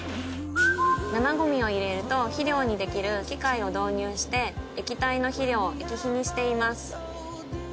生ごみを入れると肥料にできる機械を導入して液体の肥料液肥にしています。